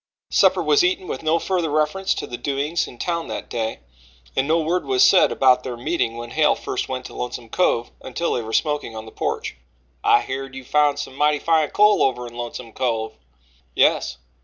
Supper was eaten with no further reference to the doings in town that day, and no word was said about their meeting when Hale first went to Lonesome Cove until they were smoking on the porch. "I heerd you found some mighty fine coal over in Lonesome Cove." "Yes."